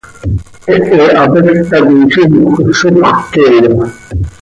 ¿Hehe hapéc tacoi zímjöc sopxöt queeya?